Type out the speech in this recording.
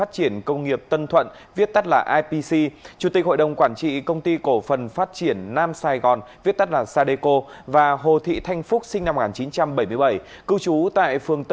xin chào các bạn